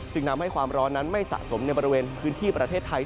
นำให้ความร้อนนั้นไม่สะสมในบริเวณพื้นที่ประเทศไทย